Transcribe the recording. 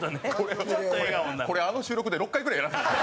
これ、あの収録で６回ぐらいやらせるんですよ。